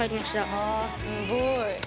あすごい！